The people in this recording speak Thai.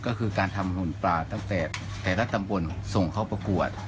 แต่ทำตำบลส่งเขาประกวด